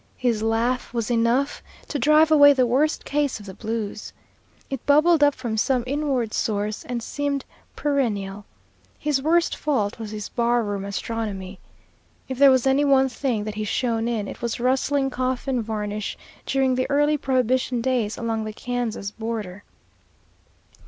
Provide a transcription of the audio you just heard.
His laugh was enough to drive away the worst case of the blues. It bubbled up from some inward source and seemed perennial. His worst fault was his bar room astronomy. If there was any one thing that he shone in, it was rustling coffin varnish during the early prohibition days along the Kansas border.